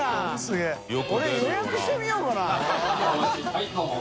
はいどうぞ。